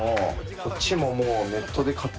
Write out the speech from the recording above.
こっちももう。